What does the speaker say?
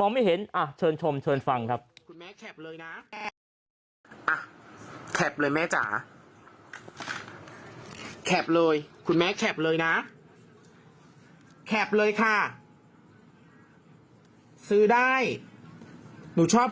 มองไม่เห็นเชิญชมเชิญฟังครับ